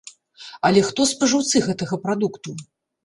Але хто спажыўцы гэтага прадукту?